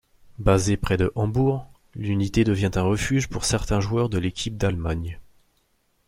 Basée près de Hambourg, l'unité devient un refuge pour certains joueurs de l'équipe d'Allemagne.